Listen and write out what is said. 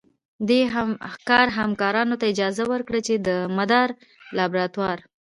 دې کار همکارانو ته اجازه ورکړه چې د مدار لابراتوار